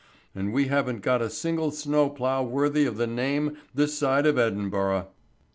And we haven't got a single snow plough worthy of the name this side of Edinburgh."